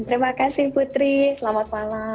terima kasih putri selamat malam